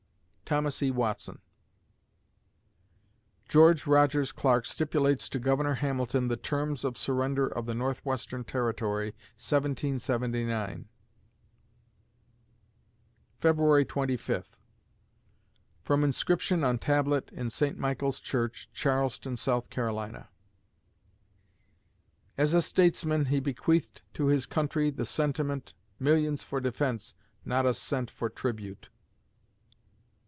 THOMAS E. WATSON George Rogers Clark stipulates to Governor Hamilton the terms of surrender of the Northwestern territory, 1779 February Twenty Fifth From Inscription on tablet in St. Michael's Church, Charleston, South Carolina. "As a Statesman he bequeathed to his country the sentiment, 'Millions for defence not a cent for tribute.'"